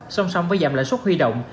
song song với giảm lãi suất huy động